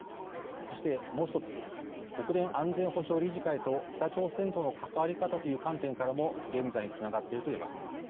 そしてもう１つ国連安全保障理事会と北朝鮮との関わり方という観点からも現在につながっているといえます。